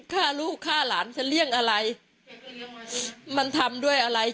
ฆ่าลูกฆ่าหลานฉันเลี่ยงอะไรมันทำด้วยอะไร